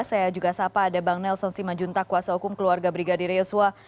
saya juga sapa ada bang nelson simanjunta kuasa hukum keluarga brigadir yosua